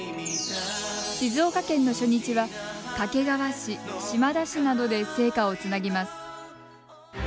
静岡県の初日は掛川市島田市などで聖火をつなぎます。